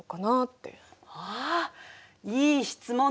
あいい質問ね。